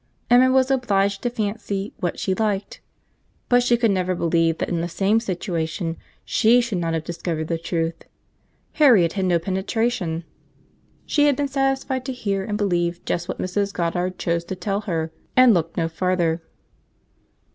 Emma was obliged to fancy what she liked—but she could never believe that in the same situation she should not have discovered the truth. Harriet had no penetration. She had been satisfied to hear and believe just what Mrs. Goddard chose to tell her; and looked no farther.